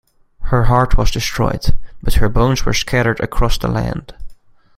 Her heart was destroyed, but her bones were scattered across the land.